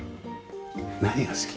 何が好き？